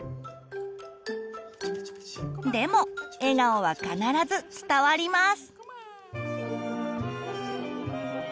でも笑顔は必ず伝わります。